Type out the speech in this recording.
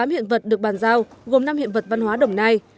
một mươi tám hiện vật được bàn giao gồm năm hiện vật văn hóa đồng nai